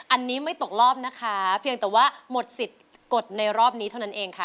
อันนี้ไม่ตกรอบนะคะเพียงแต่ว่าหมดสิทธิ์กดในรอบนี้เท่านั้นเองค่ะ